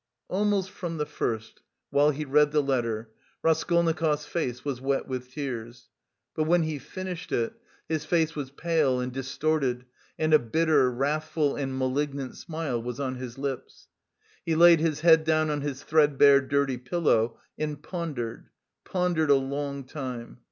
Almost from the first, while he read the letter, Raskolnikov's face was wet with tears; but when he finished it, his face was pale and distorted and a bitter, wrathful and malignant smile was on his lips. He laid his head down on his threadbare dirty pillow and pondered, pondered a long time.